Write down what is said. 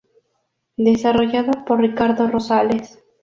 Desarrollado por Ricardo Rosales.